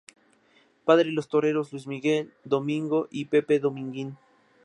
Padre de los toreros Luis Miguel, Domingo y Pepe Dominguín.